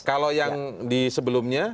kalau yang di sebelumnya